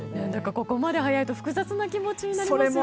ここまで早いと複雑な気持ちになりますね。